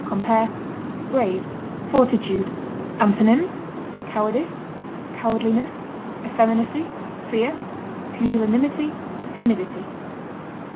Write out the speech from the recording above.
Compare BRAVE; FORTITUDE. Antonyms: cowardice, cowardliness, effeminacy, fear, pusillanimity, timidity.